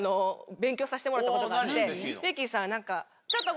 させてもらったことがあってベッキーさん。